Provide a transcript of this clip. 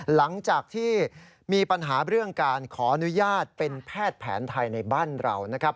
หลังจากที่มีปัญหาเรื่องการขออนุญาตเป็นแพทย์แผนไทยในบ้านเรานะครับ